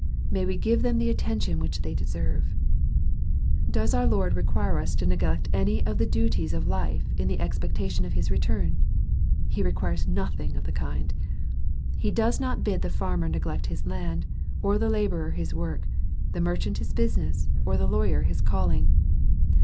May we give them the attention which they deserve 1 Does our Lord require us to neglect any of the duties of life, in the expectation of His return ? He requires nothing of the kind. He does not bid the farmer neglect his land, or the laborer his work, the merchant his business, or the lawyer his calling.